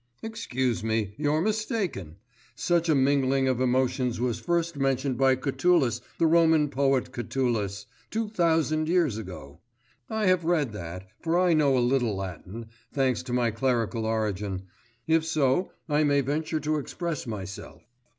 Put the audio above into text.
'Excuse me, you're mistaken; such a mingling of emotions was first mentioned by Catullus, the Roman poet Catullus, two thousand years ago. I have read that, for I know a little Latin, thanks to my clerical origin, if so I may venture to express myself.